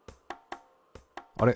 あれ？